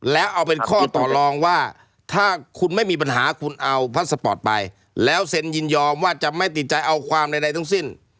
แล้วเอาเป็นข้อต่อลองว่าถ้าคุณไม่มีปัญหาคุณเอาพัสสปอร์ตไปแล้วเซ็นยินยอมว่าจะไม่ติดใจเอาความใดทั้งสิ้น